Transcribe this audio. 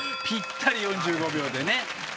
ぴったり４５秒でね。